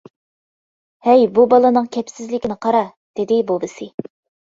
-ھەي بۇ بالىنىڭ كەپسىزلىكىنى قارا-دېدى بوۋىسى.